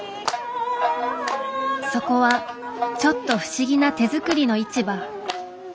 そこはちょっと不思議な手作りの市場。